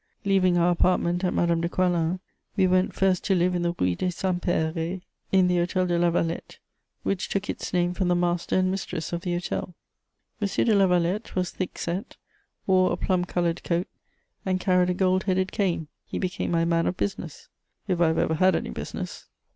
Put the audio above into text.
Leaving our apartment at Madame de Coislin's, we went first to live in the Rue des Saints Perès, in the Hôtel de Lavalette, which took its name from the master and mistress of the hotel. M. de Lavalette was thick set, wore a plum coloured coat, and carried a gold headed cane: he became my man of business, if I have ever had any business.